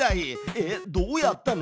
えっどうやったの？